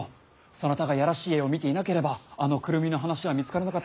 そなたがいやらしい絵を見ていなければあのクルミの話は見つからなかったわけであるし。